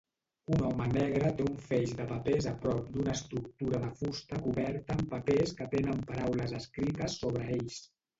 Un home negre té un feix de papers a prop d'una estructura de fusta coberta amb papers que tenen paraules escrites sobre ells